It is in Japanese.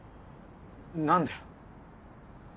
何だよ？